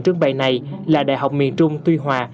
trưng bày này là đại học miền trung tuy hòa